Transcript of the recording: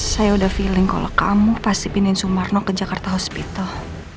saya udah feeling kalau kamu pasti pindahin sumarno ke jakarta hospital